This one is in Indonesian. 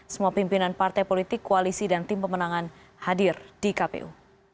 semua pimpinan partai politik koalisi dan tim pemenangan hadir di kpu